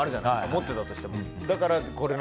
持ってたとしても。